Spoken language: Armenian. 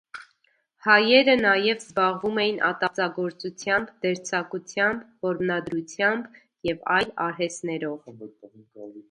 Հայերը նաև զբաղվում էին ատաղձագործությամբ, դերձակությամբ, որմնադրությամբ և այլ արհեստներով։